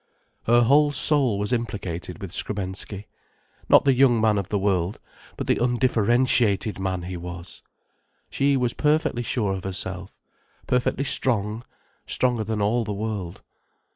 Her whole soul was implicated with Skrebensky—not the young man of the world, but the undifferentiated man he was. She was perfectly sure of herself, perfectly strong, stronger than all the world.